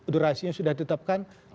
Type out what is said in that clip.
durasinya sudah ditetapkan